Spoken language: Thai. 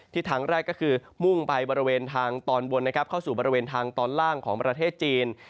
ทางแรกก็คือมุ่งไปบริเวณทางตอนบนนะครับเข้าสู่บริเวณทางตอนล่างของประเทศจีน